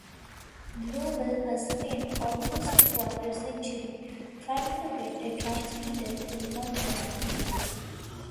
Global had spent almost a quarter-century trying to get a transmitter in Montreal.